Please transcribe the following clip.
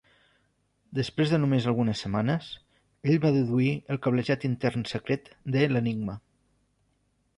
Després de només algunes setmanes, ell va deduir el cablejat intern secret de l'Enigma.